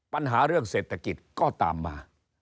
ปัญหาเรื่องเศรษฐกิจก็ตามมา